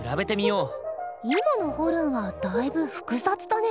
今のホルンはだいぶ複雑だね！